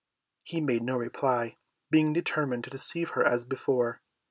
He made no reply, being determined to deceive her as before.